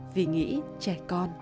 vì nghĩ trẻ con